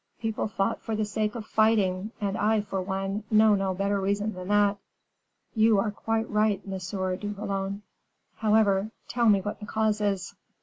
People fought for the sake of fighting; and I, for one, know no better reason than that." "You are quite right, M. du Vallon." "However, tell me what the cause is."